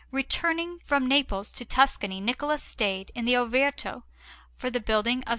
Returning from Naples to Tuscany, Niccola stayed in Orvieto for the building of S.